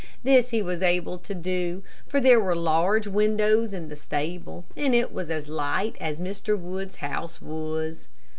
This he was able to do, for there were large windows in the stable and it was as light as Mr. Wood's house was.